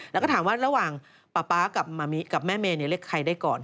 แล้วก็ถามว่าระหว่างป๊าแม่เมเรียกใครได้ก่อน